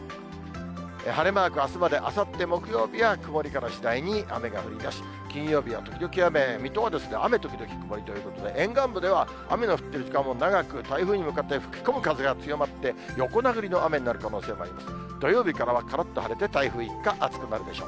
晴れマークあすまで、あさって木曜日は曇りから次第に雨が降りだし、金曜日は時々雨、水戸は雨時々曇りということで、沿岸部では雨の降っている時間も長く、台風に向かって吹き込む風が強まって、横殴りの雨になる可能性もあります。